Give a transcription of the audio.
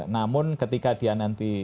namun ketika dia nanti